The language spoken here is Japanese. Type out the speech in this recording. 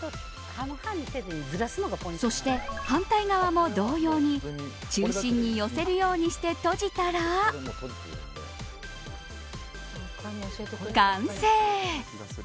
そして、反対側も同様に中心に寄せるようにして閉じたら完成。